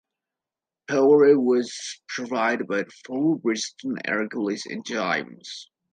Power was provided by four Bristol Hercules engines.